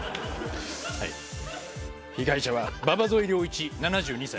被害者は馬場添良一７２歳。